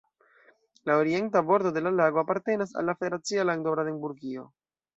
La orienta bordo de la lago apartenas al la federacia lando Brandenburgio.